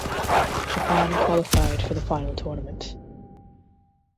Japan qualified for the final tournament.